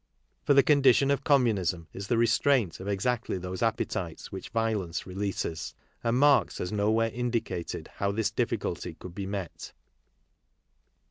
For the condition of communism is the restraint of exactly those appetites which violence releases; and Marx has nowhere indicated how this difficulty could be met.